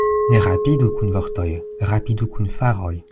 Ne rapidu kun vortoj, rapidu kun faroj.